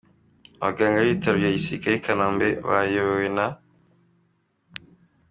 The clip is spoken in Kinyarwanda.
Abaganga b’Ibitaro bya Gisirikare i Kanombe, bayobowe na .